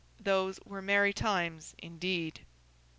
Those were merry times indeed.